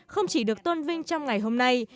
không chỉ được tôn vinh trong ngày hôm nay